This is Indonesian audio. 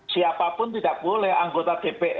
siapapun tidak boleh anggota dpr seperti itu